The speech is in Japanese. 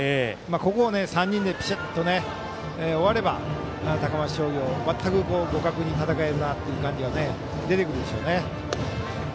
ここを３人でピシャッと終われば高松商業、全く互角に戦えるなという感じが出てくるでしょうね。